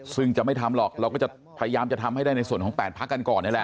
ซึ่งจะไม่ทำหรอกเราก็จะพยายามจะทำให้ได้ในส่วนของ๘พักกันก่อนนี่แหละ